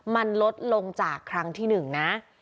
มันลดลงจากครั้งที่๑นะ